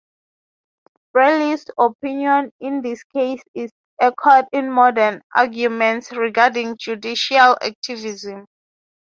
Bradley's opinion in this case is echoed in modern arguments regarding judicial activism.